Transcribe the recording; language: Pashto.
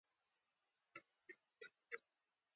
د نفوسو څخه ډکې سیمې شمالي او منځنی امریکا دي.